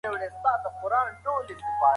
زه هره ورځ سهار وختي پاڅېږم.